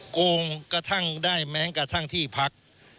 โกงกระทั่งได้แม้กระทั่งที่พัก